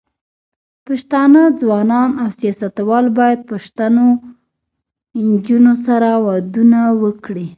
پښتانه ځوانان او سياستوال بايد پښتنو نجونو سره ودونه وکړي.